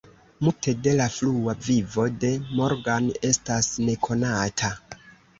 Multe de la frua vivo de Morgan estas nekonata.